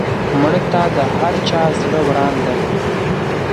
مړه ته د هر چا زړه وران دی